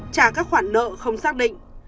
trả các khoản nợ không xác định